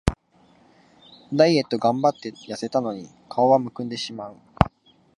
ダイエットがんばってやせたのに顔はむくんでしまう